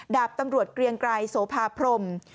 ดาบตำรวจเกรียงไกรโสภาพรม